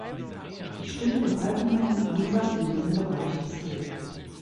Ich stimme dem allgemeinen Ansatz in diesem Bereich zu.